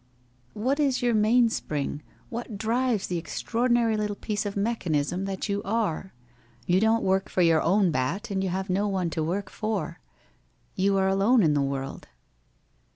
' What is your mainspring — what drives the extraor dinary little piece of mechanism that you are? You don't work for your own bat, and you have no one to work for ? You are alone in the world.'